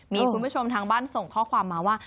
มีคุณผู้ชมทางบ้านส่งข้อความมาว่า